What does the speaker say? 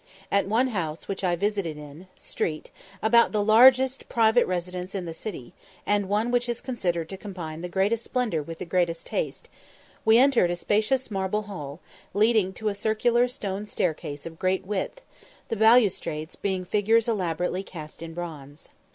At one house which I visited in street, about the largest private residence in the city, and one which is considered to combine the greatest splendour with the greatest taste, we entered a spacious marble hall, leading to a circular stone staircase of great width, the balustrades being figures elaborately cast in bronze.